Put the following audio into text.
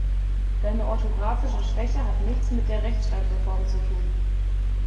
Deine orthografische Schwäche hat nichts mit der Rechtschreibreform zu tun.